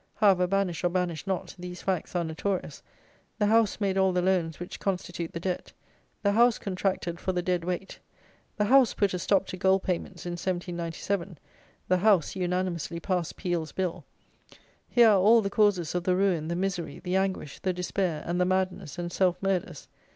However, banish or banish not, these facts are notorious: the House made all the Loans which constitute the debt: the House contracted for the Dead Weight: the House put a stop to gold payments in 1797: the House unanimously passed Peel's Bill. Here are all the causes of the ruin, the misery, the anguish, the despair, and the madness and self murders.